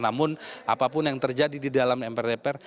namun apapun yang terjadi di dalam dpr mpr